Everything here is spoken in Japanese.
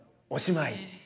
おしまい。